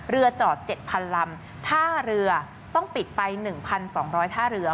เรือจอดเจ็ดพันลำท่าเรือต้องปิดไปหนึ่งพันสองร้อยท่าเรือ